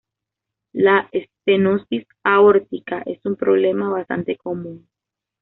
La estenosis aórtica es un problema bastante común.